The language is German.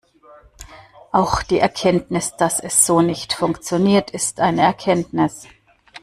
Auch die Erkenntnis, dass es so nicht funktioniert, ist eine Erkenntnis.